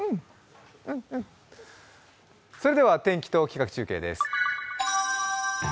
それでは天気と企画中継です。